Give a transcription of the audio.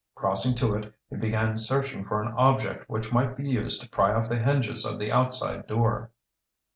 Crossing to it, he began searching for an object which might be used to pry off the hinges of the outside door.